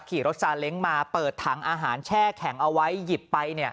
ขี่รถซาเล้งมาเปิดถังอาหารแช่แข็งเอาไว้หยิบไป